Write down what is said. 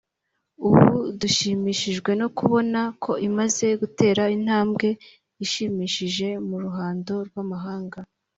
ubu dushimishijwe no kubona ko imaze gutera intambwe ishimishije mu ruhando rw’amahanga